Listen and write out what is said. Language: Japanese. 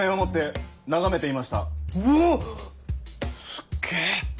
すっげぇ！